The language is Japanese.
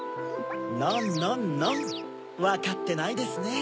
ノンノンノンわかってないですねぇ。